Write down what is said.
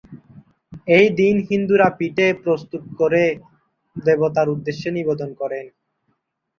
এই দিন হিন্দুরা পিঠে প্রস্তুত করে দেবতার উদ্দেশ্যে নিবেদন করেন।